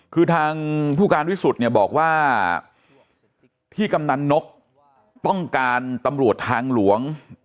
คือทางผู้การวิสุทธิ์เนี่ยบอกว่าที่กำนันนกต้องการตำรวจทางหลวง